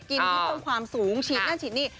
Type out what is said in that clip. กินที่เพิ่มความสูงฉีดนั่นฉีดนี่